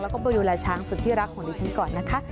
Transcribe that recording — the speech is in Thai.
แล้วก็ไปดูแลช้างสุดที่รักของดิฉันก่อนนะคะ